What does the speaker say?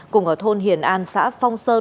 cùng ở thôn hiền an xã phong sơn